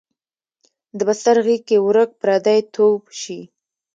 د بستر غیږ کې ورک پردی توب شي